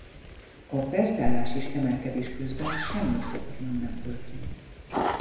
A felszállás és emelkedés közben semmi szokatlan nem történt.